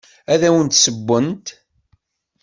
Ad awen-d-ssewwent.